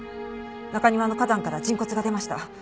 中庭の花壇から人骨が出ました。